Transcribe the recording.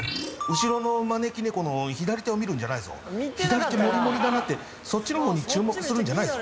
後ろの招き猫の左手を見るんじゃないぞ左手モリモリだなってそっちの方に注目するんじゃないぞ